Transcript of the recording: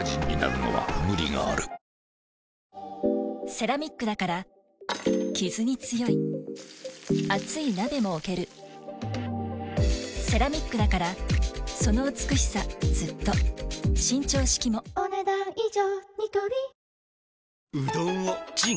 セラミックだからキズに強い熱い鍋も置けるセラミックだからその美しさずっと伸長式もお、ねだん以上。